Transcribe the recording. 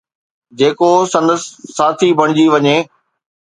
جيڪو سندس ساٿي بڻجي وڃي